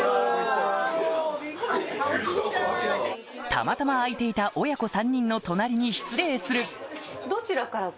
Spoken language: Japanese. たまたま空いていた親子３人の隣に失礼するえ！